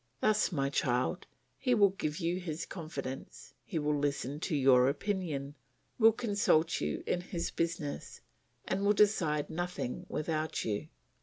"Thus, my child, he will give you his confidence, he will listen to your opinion, will consult you in his business, and will decide nothing without you.